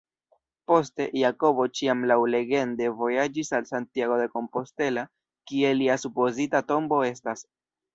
Poste, Jakobo ĉiam laŭlegende vojaĝis al Santiago de Compostela kie lia supozita tombo estas.